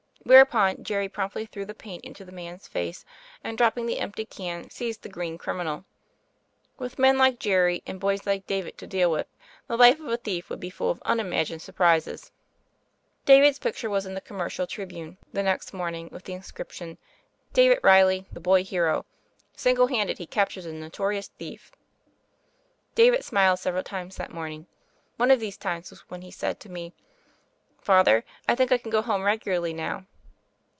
Whereupon Jerry promptly threw the paint into the man's face, and, dropping the empty can, seized the green criminal. With men like Jerry and boys like David to deal with, the life of a thief would be full of unimagined sur prises. 126 THE FAIRY OF THE SNOWS David's picture was in the Commercial Tribune the next morning with the inscription, "David Reilly, the boy hero. Single handed he captures a notorious thief." David smiled several times that morning. One of these times was when he said to me : "Father, I think I can go home regularly now."